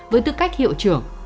với tư cách hiệu trưởng